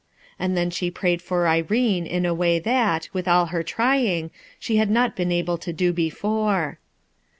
And then she prayed for Irene in a way that, with all her trying, she had not been able to do before.